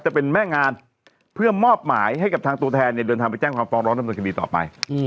จะเป็นแม่งานเพื่อมอบหมายให้กับทางตัวแทนเนี่ยเดินทางไปแจ้งความฟ้องร้องดำเนินคดีต่อไป